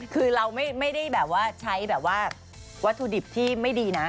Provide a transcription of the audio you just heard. คือเราไม่ได้ใช้วัตถุดิบที่ไม่ดีนะ